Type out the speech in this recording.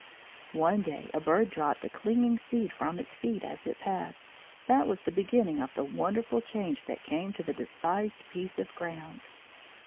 One day a bird dropped a clinging seed from its feet as it passed; that was the beginning of the wonderful change that came to the despised piece of ground.